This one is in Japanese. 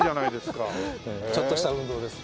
ちょっとした運動です。